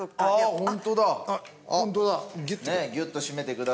ホントだ！